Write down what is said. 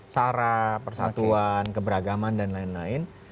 cara persatuan keberagaman dan lain lain